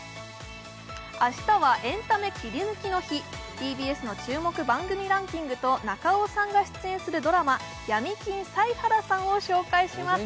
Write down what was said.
明日はエンタメ切り抜きの日ＴＢＳの注目番組ランキングと中尾さんが出演するドラマ「闇金サイハラさん」を紹介します